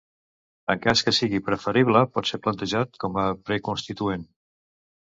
En cas que sigui preferible pot ser plantejat com a pre-constituent.